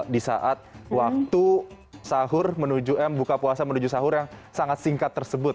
di saat waktu sahur menuju m buka puasa menuju sahur yang sangat singkat tersebut